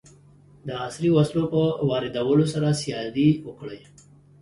د عصري وسلو په واردولو سره سیالي وکړي.